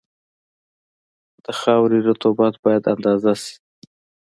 د خاورې رطوبت باید اندازه شي